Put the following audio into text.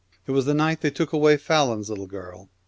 It was the night they took away Fallon's little girl.'